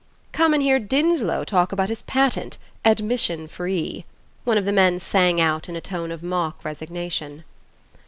"Come and hear Dinslow talk about his patent: admission free," one of the men sang out in a tone of mock resignation.